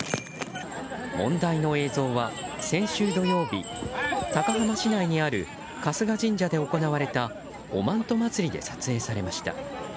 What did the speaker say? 問題の映像は、先週土曜日高浜市内にある春日神社で行われたおまんと祭りで撮影されました。